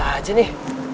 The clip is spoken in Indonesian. ada aja nih